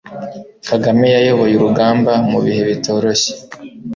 Kagame yayoboye urugamba mu bihe bitoroshye